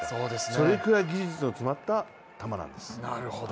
それくらい技術の詰まった球なんです。